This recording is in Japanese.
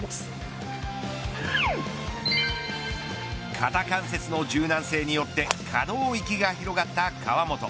肩関節の柔軟性によって可動域が広がった河本。